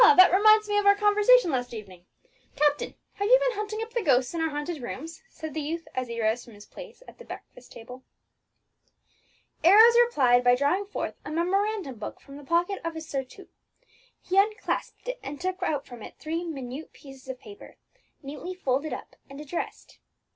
that reminds me of our conversation last evening. Captain, have you been hunting up the ghosts in our haunted rooms?" asked the youth as he rose from his place at the breakfast table. Arrows replied by drawing forth a memorandum book from the pocket of his surtout. He unclasped it, and took out from it three minute pieces of paper, neatly folded up and addressed.